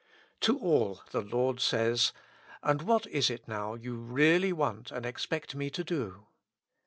To all the Lord says : And what is it now you really want and expect Me to do